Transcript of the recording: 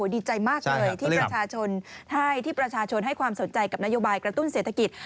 ดีใจมากเลยที่ประชาชนให้ความสนใจกับนโลยบาลกระตุ้นเศรษฐกิจ